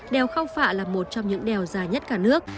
đèo khao phạ là một trong những đèo dài nhất cả nước